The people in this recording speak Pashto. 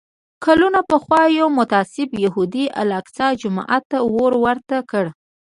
کلونه پخوا یو متعصب یهودي الاقصی جومات ته اور ورته کړ.